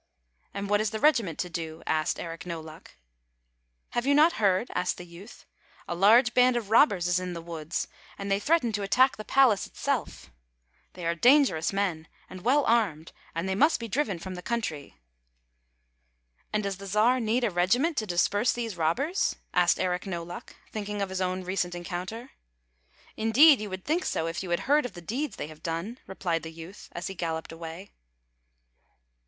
" And what is the regiment to do? " asked Eric No Luck. " Have 5^ou not heard? " asked the youth. '' A large band of robbers is in the woods, and they threaten to attack the palace itself. They are dangerous men, and well armed, and they must be driven from the country." " And does the Czar need a regiment to disperse these robbers?" asked Eric No Luck, thinking of his own recent encounter. " Indeed, you would think so, if you had heard of the deeds they have done," replied the youth, as he galloped away.